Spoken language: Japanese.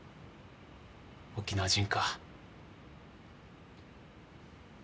沖縄人か。